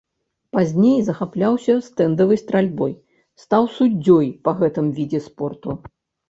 Пазней захапляўся стэндавай стральбой, стаў суддзёй па гэтым відзе спорту.